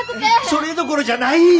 それどころじゃない！